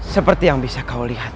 seperti yang bisa kau lihat